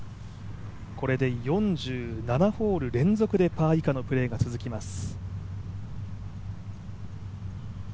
これで４７ホール連続でパー以下のプレーが続きます。